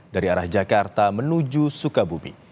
dari arah jakarta menuju sukabumi